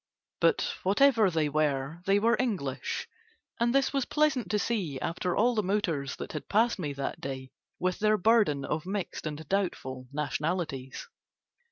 But whatever they were they were English, and this was pleasant to see after all the motors that had passed me that day with their burden of mixed and doubtful nationalities.